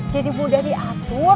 jadi mudah diatur